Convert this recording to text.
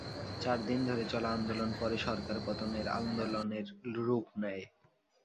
চার দিন ধরে চলা আন্দোলন পরে সরকার পতনের আন্দোলনের রূপ নেয়।